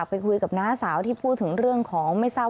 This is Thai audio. ประกอบกับมีอาการดื่มสุราด้วย